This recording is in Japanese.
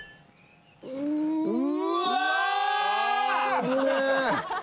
危ねえ。